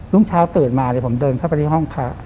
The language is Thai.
รุ่งเช้าตื่นมาผมเดินเข้าไปที่ห้องพระ